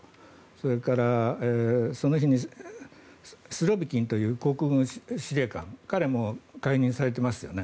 それから、その日にスロビキンという航空司令官彼も解任されていますよね。